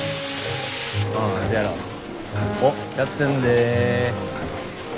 おっやってんで。